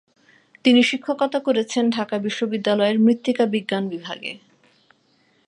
তিনি শিক্ষকতা করেছেন ঢাকা বিশ্ববিদ্যালয়ের মৃত্তিকা বিজ্ঞান বিভাগে।